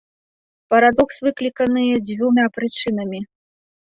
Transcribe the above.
Парадокс выкліканы дзвюма прычынамі.